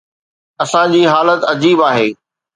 اسان جي حالت عجيب آهي.